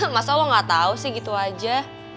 masa lo gak tau sih gitu aja